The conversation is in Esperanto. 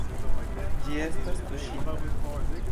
Ĝi estas tuŝinda.